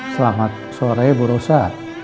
selamat sore bu rosa